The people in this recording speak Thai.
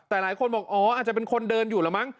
แต่หลายคนบอกอ๋ออาจจะเป็นคนเดินอยู่แล้วมั้ง